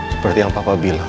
seperti yang papa bilang